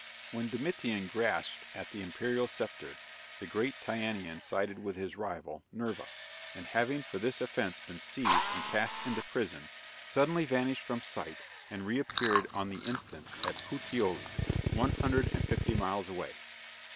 When Domitian grasped at the imperial sceptre, the great Tyanean sided with his rival, Nerva, and having for this offence been seized and cast into prison, suddenly vanished from sight and reappeared on the instant at Puteoli, one hundred and fifty miles away.